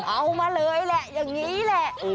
เอามาเลยแหละอย่างนี้แหละ